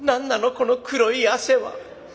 この黒い汗は。